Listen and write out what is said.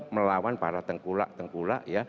melawan para tengkulak tengkulak ya